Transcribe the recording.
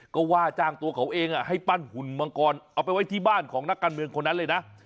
ก็ว่าจ้างตัวเขาเองให้ปั้นหุ่นมังกรเอาไปไว้ที่บ้านของนักการเมืองคนนั้นเลยนะ